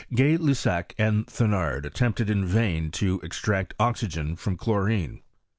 Gay Lussac and Thenard attempted in vain to extract oxygen from chlorine.